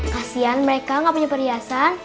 kasian mereka gak punya perhiasan